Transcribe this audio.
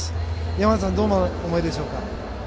山縣さんどんな思いでしょうか。